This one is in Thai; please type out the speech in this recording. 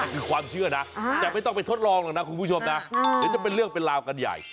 คือความเชื่อนะแต่ไม่ต้องไปทดลองหรอกนะคุณผู้ชมนะเดี๋ยวจะเป็นเรื่องเป็นราวกันใหญ่